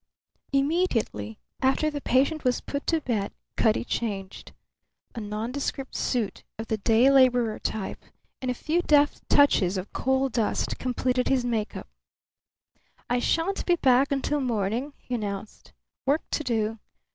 Immediately after the patient was put to bed Cutty changed. A nondescript suit of the day labourer type and a few deft touches of coal dust completed his make up. "I shan't be back until morning," he announced. "Work to do.